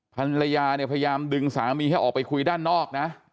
ภรรยาเนี่ยพยายามดึงสามีให้ออกไปคุยด้านนอกนะ